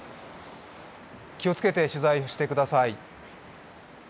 気をつけて取材をしてください。